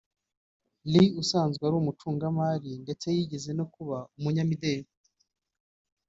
Lee usanzwe ari umucungamari ndetse yigeze kuba umunyamideli